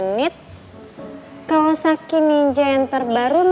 nih ada telpon